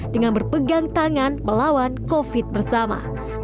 dengan berpegang tangan melawan covid bersama